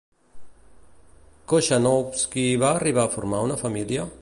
Kochanowski va arribar a formar una família?